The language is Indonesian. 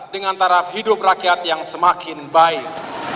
dengan taraf hidup rakyat yang semakin baik